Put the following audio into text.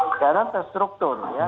sekarang terstruktur ya